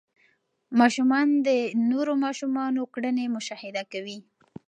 ماشومان د نورو ماشومانو کړنې مشاهده کوي.